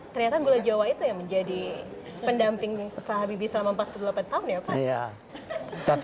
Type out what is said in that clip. ternyata gula jawa itu yang menjadi pendamping pak habibie selama empat puluh delapan tahun ya pak